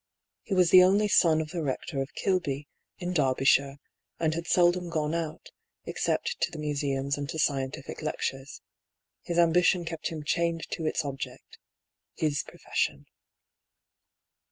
He was the only son of the Rector of Kilby, in Derbyshire, and had seldom gone out, except to the museums and to scientific lectures ; his ambition kept him chained to its object — his profession.